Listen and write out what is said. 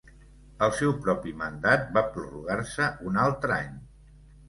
El seu propi mandat va prorrogar-se un altre any.